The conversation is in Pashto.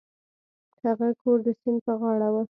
هغه کور د سیند په غاړه و.